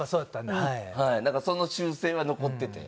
だからその習性は残ってて。